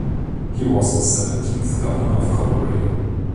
He was the seventeenth governor of Colorado.